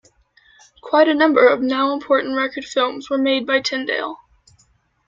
Quite a number of now-important record films were made by Tindale.